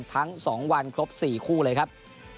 ทั้งสองวันครบสี่คู่เลยครับ